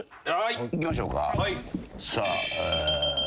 いきましょうか。